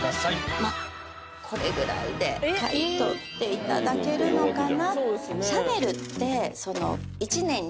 まっこれぐらいで買い取っていただけるのかな